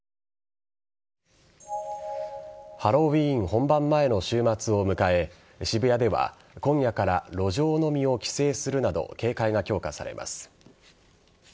ハロウィーン本番前の週末を迎え渋谷では今夜から路上飲みを規制するなど警戒が強化されます。